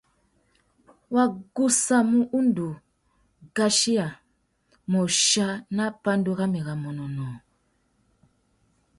Wa gussamú undú ngʼachiya môchia nà pandú râmê râ manônôh.